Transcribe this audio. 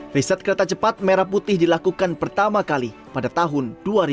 riset kereta cepat merah putih dilakukan pertama kali pada tahun dua ribu dua